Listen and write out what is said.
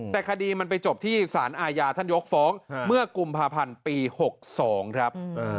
แต่คดีมันไปจบที่สารอาญาท่านยกฟ้องเมื่อกุมภาพันธ์ปี๖๒ครับ